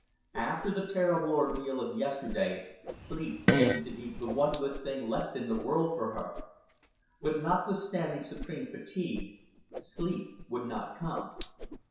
After the terrible ordeal of yesterday sleep seemed to be the one good thing left in the world for her. But, notwithstanding supreme fatigue, sleep would not come.